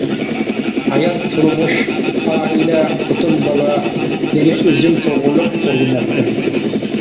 ھايات، تۇرمۇش، ئائىلە، خوتۇن-بالا، يەنە ئۆزۈم توغرىلىق ئويلىناتتىم.